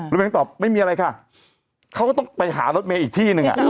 เบ้นตอบไม่มีอะไรค่ะเขาก็ต้องไปหารถเมย์อีกที่หนึ่ง